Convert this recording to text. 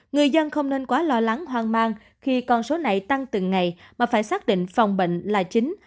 người dân không nên quá lo lắng hoang mang khi con số này tăng từng ngày mà phải xác định phòng bệnh là chính